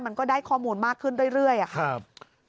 มันก็ได้ข้อมูลมากขึ้นเรื่อยอะค่ะ